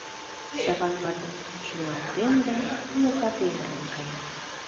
Саван ватым шоналтем да уло капем ырен кая.